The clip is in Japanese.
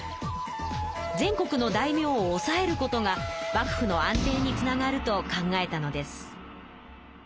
全国の大名を抑えることが幕府の安定につながると考えたのです。